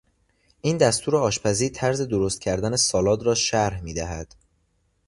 این دستور آشپزی طرز درست کردن سالاد را شرح میدهد.